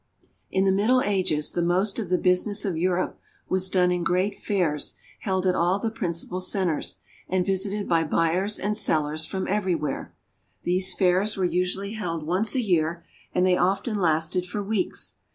In the Middle Ages the most of the business of Europe was done in great fairs held at all the principal centers, and visited by buyers and sellers from everywhere. These fairs were usually held once a year, and they often lasted for weeks.